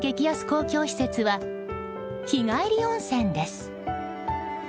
公共施設は日帰り温泉です。